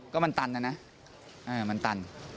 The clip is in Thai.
ก็มันตันนะนะมันตัน